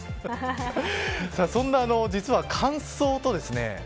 そんな、実は乾燥とですね。